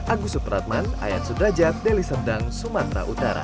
agus supratman ayat sudrajat deli serdang sumatera utara